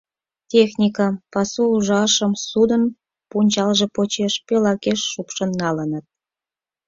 Техникым, пасу ужашым судын пунчалже почеш пел акеш шупшын налыныт.